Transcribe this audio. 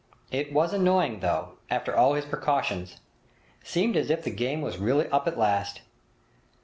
It was annoying, though, after all his precautions; seemed as if the game was really up at last.